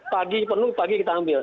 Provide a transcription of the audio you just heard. pagi penuh pagi kita ambil